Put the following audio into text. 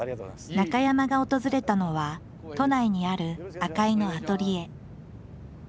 中山が訪れたのは都内にある赤井のアトリエ。